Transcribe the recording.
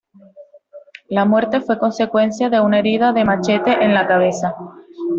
La muerte fue consecuencia de una herida de machete en la cabeza.